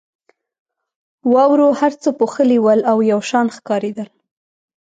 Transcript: واورو هر څه پوښلي ول او یو شان ښکارېدل.